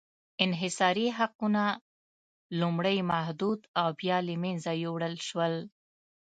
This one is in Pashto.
انحصاري حقونه لومړی محدود او بیا له منځه یووړل شول.